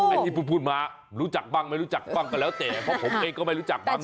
ที่พูดมารู้จักบ้างไม่รู้จักบ้างก็แล้วแต่เพราะผมเองก็ไม่รู้จักบ้าง